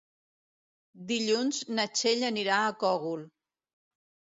Dilluns na Txell anirà al Cogul.